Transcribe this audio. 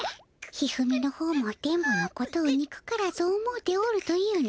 一二三のほうも電ボのことをにくからず思うておるというに。